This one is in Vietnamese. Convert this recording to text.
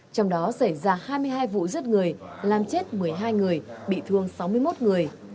trong đó xảy ra hai mươi hai vụ giết người làm chết một mươi hai người bị thương sáu mươi một người